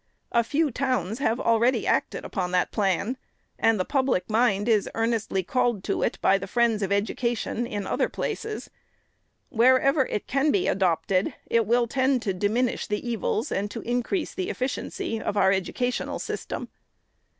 A few towns have already acted upon that plan, and the public mind is earnestly called to it by the friends of education in other places. Wherever it can be adopted, it will tend to diminish the evils and to increase the efficiency of our educational system.